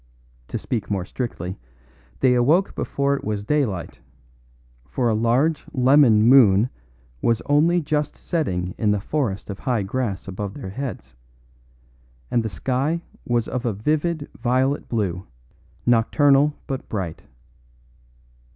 To speak more strictly, they awoke before it was daylight; for a large lemon moon was only just setting in the forest of high grass above their heads, and the sky was of a vivid violet blue, nocturnal but bright.